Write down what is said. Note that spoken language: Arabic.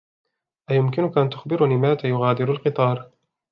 أيمكنك أن تخبرني متى يغادر القطار ؟